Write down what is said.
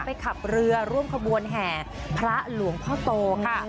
ขับเรือร่วมขบวนแห่พระหลวงพ่อโตค่ะ